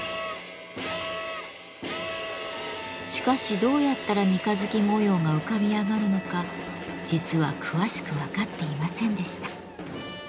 しかしどうやったら三日月模様が浮かび上がるのか実は詳しく分かっていませんでした。